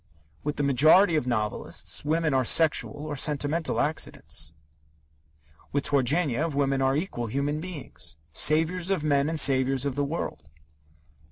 With the majority of novelists, women are sexual or sentimental accidents. With Turgenev, women are equal human beings saviours of men and saviours of the world.